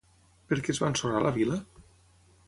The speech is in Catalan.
Per què es va ensorrar la vila?